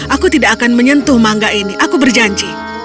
aku tidak akan menyentuh mangga ini aku berjanji